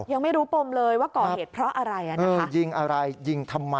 ยังไม่รู้ปมเลยว่าก่อเหตุเพราะอะไร